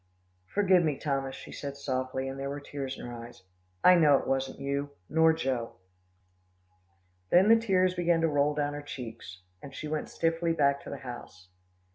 "Forgive me, Thomas," she said softly, and there were tears in her eyes. "I know it wasn't you, nor Joe." Then the tears began to roll down her cheeks, and she went swiftly back to the house.